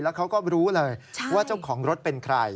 เขาก็รู้เลยว่าเจ้าของรถเป็นใคร